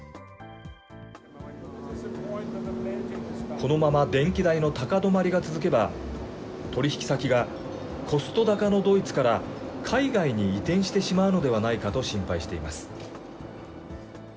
このまま電気代の高止まりが続けば、取り引き先がコスト高のドイツから、海外に移転してしまうのではないかと心配しています。